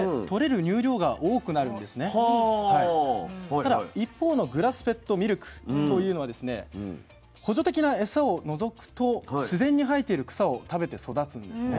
ただ一方のグラスフェッドミルクというのはですね補助的なエサを除くと自然に生えている草を食べて育つんですね。